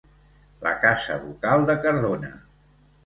La casa ducal de Cardona.